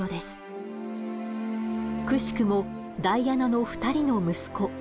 くしくもダイアナの２人の息子